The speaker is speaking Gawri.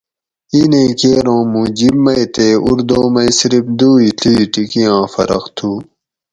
اِینیں کیر اُوں مُوں جِب مئ تے اردو مئ صِرف دوئ ڷی ٹِکی آں فرق تھُو